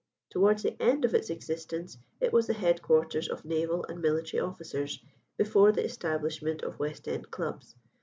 Towards the end of its existence it was the head quarters of naval and military officers before the establishment of West End Clubs.